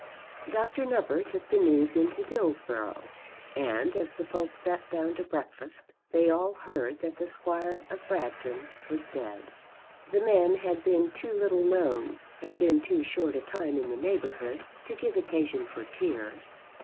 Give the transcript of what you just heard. Dr. Nupper took the news into Dillsborough, and as the folk sat down to breakfast they all heard that the Squire of Bragton was dead. The man had been too little known, had been too short a time in the neighbourhood, to give occasion for tears.